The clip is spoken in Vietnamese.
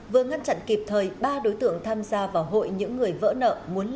vừa ngăn chặn kịp thời ba đối tượng tham gia vào hội những người vỡ nợ muốn